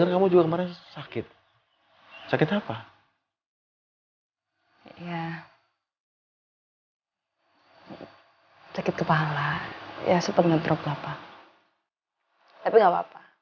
kamu catat itu